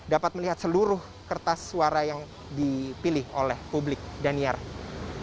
dapat melihat seluruh kertas suara yang dipilih oleh publik daniar